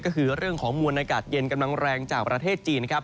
ก็คือเรื่องของมวลอากาศเย็นกำลังแรงจากประเทศจีนนะครับ